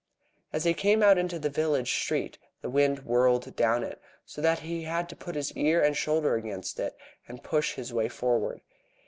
As he came out into the village street the wind whirled down it, so that he had to put his ear and shoulder against it, and push his way forward.